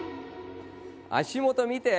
足元見て！